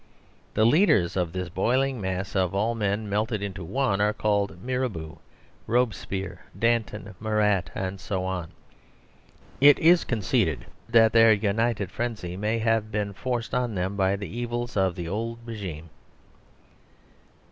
The leaders of this boiling mass of all men melted into one are called Mirabeau, Robespierre, Danton, Marat, and so on. And it is conceded that their united frenzy may have been forced on them by the evils of the old regime.